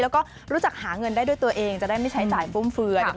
แล้วก็รู้จักหาเงินได้ด้วยตัวเองจะได้ไม่ใช้จ่ายฟุ่มเฟือย